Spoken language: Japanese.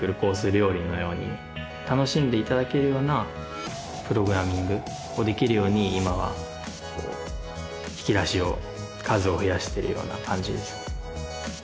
料理のように楽しんでいただけるようなプログラミングをできるように今は引き出しを数を増やしてるような感じです